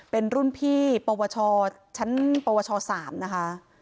เป็นรุ่นพี่ปวชชั้นปวช๓นะคะ